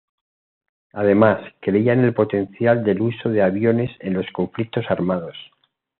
Además, creía en el potencial del uso de aviones en los conflictos armados.